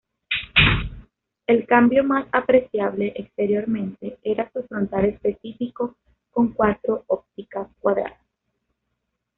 El cambio más apreciable exteriormente era su frontal específico, con cuatro ópticas cuadradas.